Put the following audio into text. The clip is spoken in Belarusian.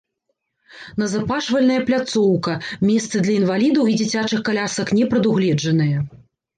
Назапашвальная пляцоўка, месцы для інвалідаў і дзіцячых калясак не прадугледжаныя.